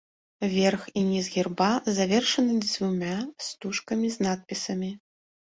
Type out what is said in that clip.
Верх і ніз герба завершаны дзвюма стужкамі з надпісамі.